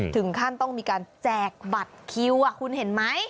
ถึงขั้นต้องมีการแจกบัตรคิวคุณเห็นไหม